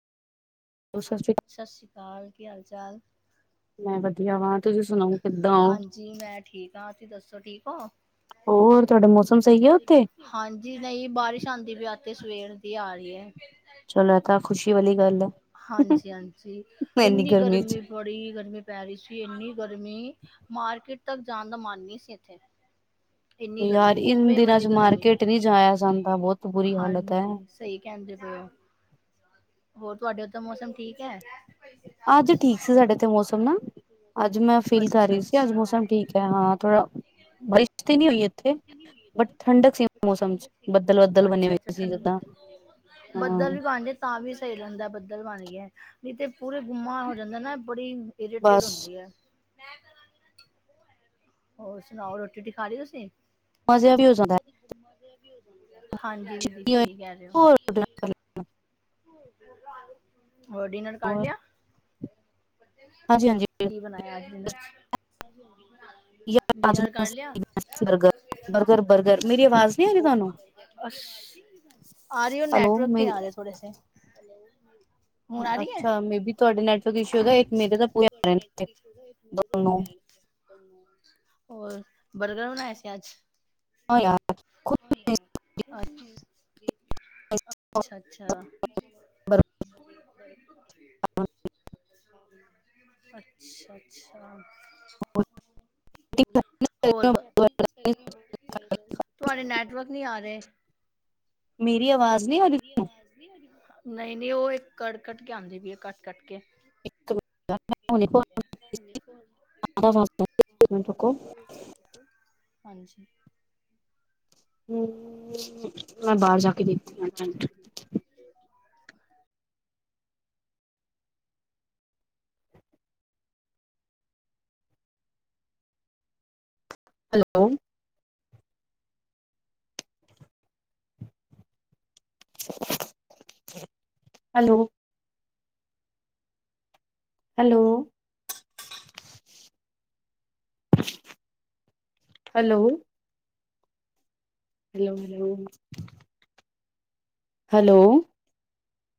ਸਤਿ ਸ੍ਰੀ ਅਕਾਲ। ਕੀ ਹਾਲ ਚਾਲ?? ਮੈਂ ਵਧੀਆ ਵਾਂ। ਤੁਸੀਂ ਸੁਣਾਓ ਕਿੱਦਾਂ ਹੋ ਹਾਂਜੀ ਮੈਂ ਠੀਕ ਆ। ਤੁਸੀਂ ਦੱਸੋ ਠੀਕ ਓ? ਹੋਰ ਤੁਹਾਡਾ ਮੌਸਮ ਸਹੀ ਏ ਉੱਥੇ? ਹਾਂਜੀ ਨਹੀਂ ਬਾਰਿਸ਼ ਆਦੀ ਪਈ ਆ ਤੇ ਸਵੇਰ ਦੀ ਆ ਰਹੀ ਐ। ਚਲੋ ਇਹ ਤਾਂ ਖੁਸ਼ੀ ਵਾਲੀ ਗੱਲ ਹੈ ਹਾਂਜੀ, ਹਾਂਜੀ ਇੰਨੀ ਗਰਮੀ ਬੜੀ ਗਰਮੀ ਪੈ ਰਹੀ ਸੀ। ਇੰਨੀ ਗਰਮੀ ਮਾਰਕੀਟ ਤੱਕ ਜਾਣ ਦਾ ਮਨ ਨਹੀਂ ਸੀ ਇੱਥੇ। ਇੰਨੀ ਯਾਰ ਗਰਮੀ ਇਨ ਗੁੰਮੇ ਦਿਨਾਂ ਵਾਲੀ ਚ ਗਰਮੀ। ਮਾਰਕੀਟ ਨਹੀਂ ਜਾਇਆ ਜਾਂਦਾ ਬਹੁਤ ਬੁਰੀ ਹਾਲਤ ਹੈ ਹਾਂਜੀ ਸਹੀ ਕਹਿੰਦੇ ਪਏ ਓ। ਹੋਰ ਤੁਹਾਡੇ ਉਧਰ ਤਾਂ ਮੌਸਮ ਠੀਕ ਏ। ਅੱਜ ਠੀਕ ਸੀ ਸਾਡੇ ਤੇ ਮੌਸਮ ਨਾ ਅੱਜ ਮੈਂ ਫੀਲ ਕਰ ਅੱਛਾ ਰਹੀ ਸੀ ਅੱਜ ਅੱਛਾ ਮੌਸਮ ਠੀਕ ਏ ਹਾਂ ਥੋੜਾ ਬਾਰਿਸ਼ ਤੇ ਨਹੀਂ ਹੋਈ? ਇੱਥੇ ਬਟ ਠੰਡਕ ਸੀ [unintelligible] ਮੌਸਮ ਚ ਬੱਦਲ ਬੱਦਲ ਬਣੇ ਅੱਛਾ, ਹੋਏ ਅੱਛਾ ਸੀ ਠੰ ਜਿੱਦਾਂ ਹਾਂ ਬੱਦਲ ਵੀ ਬਣ ਗ ਤਾਂ ਵੀ ਸਹੀ ਰਹਿੰਦਾ ਬੱਦਲ ਬਣ ਗਿਆ। ਨਹੀਂ ਤੇ ਪੂਰੇ ਗੁਮਾ ਹੋ ਜਾਂਦਾ ਨਾ ਬੜੀ ਇਰੀਟਿਡ ਬਸ ਹੁੰਦੀ ਐ। ਹੋਰ ਸੁਣਾਓ ਰੋਟੀ ਰੋਟੀ ਖਾ ਲਈ ਤੁਸੀਂ? ਮਜ਼ਾ ਵੀ ਹੋ ਜਾਂਦਾ ਹੈ ਹਾਂਜੀ ਦੀਦੀ ਸਹੀ ਕਹਿ ਰਹੇ ਹੋਰ ਹੋ। ਹੋ ਡਿਨਰ ਕਰ ਲਿਆ? ਹਾਂਜੀ, ਹਾਂਜੀ ਕੀ ਬਣਾਇਆ ਅੱਜ ਡਿਨਰ ਚ ਡਿਨਰ ਕਰ ਲਿਆ? [unintelligible] ਬਰਗਰ ਬਰਗਰ ਬਰਗਰ ਮੇਰੀ ਆਵਾਜ਼ ਨਹੀਂ ਆ ਰਹੀ ਤੁਹਾਨੂੰ [unintelligible] ਅ ਆ ਰਹੀ ਰ ਹੈਲੋ ਨੈਟਵਰਕ ਨਹੀਂ ਮੇਰੀ ਆ ਰਿਹੇ ਥੋੜੇ ਸੇ ਹੁਣ ਆ ਰਹੀ ਐ? ਅੱਛਾ ਮੇ ਬੀ ਤੁਹਾਡੇ ਨੈਟਵਰਕ ਇਸ਼ੂ ਹੈਗਾ ਇੱਕ ਮੇਰੇ ਤਾਂ ਪੂਰੇ ਆ ਰਹੇ ਨੇ ਦੋਨੋਂ [unintelligible] ਹੋਰ ਬਰਗਰ ਬਣਾਇਆ ਸੀੇ। ਆਜ ਹਾਂ ਯਾਰ ਅਛ [unintelligible] ਅੱਛਾ, ਅੱਛਾ ਅੱਛਾ, ਅੱਛਾ ਹੋਰ ਤੁਹਾਡੇ ਨੈਟਵਰਕ ਨੀ ਆ ਰਹੇ? ਮੇਰੀ ਆਵਾਜ਼ ਨਹੀਂ ਆ ਰਹੀ ਮੇਰੀ ਆਵਾਜ਼ ਨਹੀਂ ਨਹੀਂ ਉਹ ਇੱਕ ਕ ਕੱਟ ਕੇ ਆਉਂਦੀ ਵੀ ਹੈ ਕੱਟ ਕੱਟ ਕੇ [unintelligible] ਇੱਕ ਮਿੰਟ ਰੁਕੋ ਹਾਂਜੀ ਹਮ ਮੈਂ ਬਾਹਰ ਜਾ ਕੇ ਦੇਖਦੀ hello hello hello hello hello hello hello?